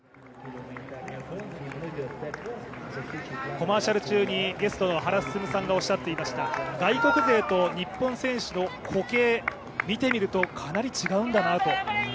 コマーシャル中にゲストの原晋さんがおっしゃっていました外国勢と日本選手の歩型見てみるとかなり違うんだなと。